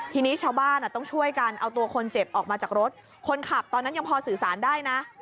ทีนี้ชาวบ้านต้องช่วยกันเอาตัวคนเจ็บออกมาจากรถคนขับตอนนั้นยังพอสื่อสารได้นะ